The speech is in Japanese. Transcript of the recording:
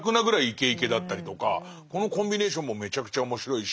イケイケだったりとかこのコンビネーションもめちゃくちゃ面白いし。